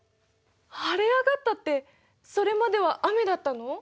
晴れ上がったってそれまでは雨だったの？